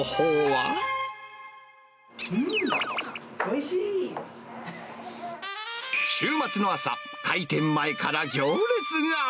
うん！週末の朝、開店前から行列が。